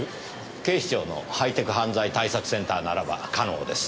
警視庁のハイテク犯罪対策センターならば可能です。